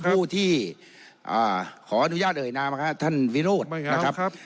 ผู้ที่ขออนุญาตเอ่ยนามนะครับท่านวิโรธนะครับ